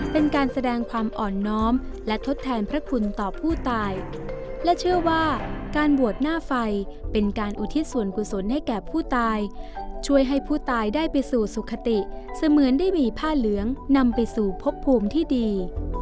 เป็นการแสดงความอ่อนน้อมและทดแทนพระคุณต่อผู้ตายและเชื่อว่าการบวชหน้าไฟเป็นการอุทิศส่วนกุศลให้แก่ผู้ตายช่วยให้ผู้ตายได้ไปสู่สุขติเสมือนได้มีผ้าเหลืองนำไปสู่พบภูมิที่ดี